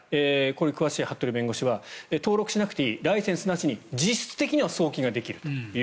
これに詳しい勝部弁護士はライセンスなしに実質的には送金ができると。